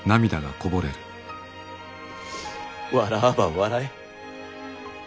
笑わば笑え。